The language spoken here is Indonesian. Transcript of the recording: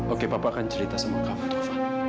oke papa akan cerita sama kamu tuhan